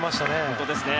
本当ですね。